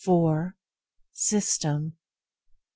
System 5.